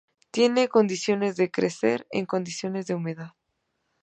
Tiene condiciones de crecer en condiciones de humedad.